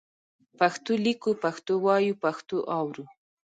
پښتو لیکو، پښتو وایو، پښتو اورو.